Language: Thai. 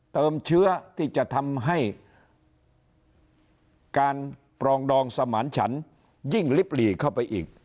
เชื้อที่จะทำให้การปรองดองสมานฉันยิ่งลิบหลีเข้าไปอีก